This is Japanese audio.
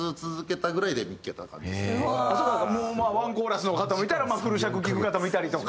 ワンコーラスの方もいたらフル尺を聴く方もいたりとか。